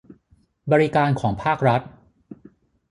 บริการของภาครัฐ